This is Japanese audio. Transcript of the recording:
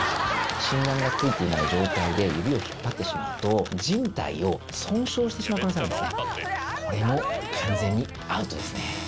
診断がついていない状態で指を引っ張ってしまうと、じん帯を損傷してしまう可能性があるんですね。